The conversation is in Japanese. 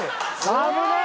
危ない！